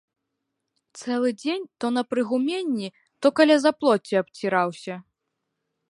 Цэлы дзень то на прыгуменні, то каля заплоцця абціраўся.